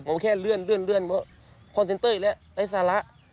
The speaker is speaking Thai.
ผมแค่เลื่อนเพราะคอนเซนเตอร์อีกแล้วไร้สาระ